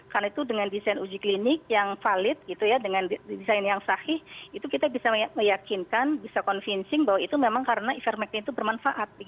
karena itu dengan desain uji klinik yang valid gitu ya dengan desain yang sahih itu kita bisa meyakinkan bisa convincing bahwa itu memang karena ivermectin itu bermanfaat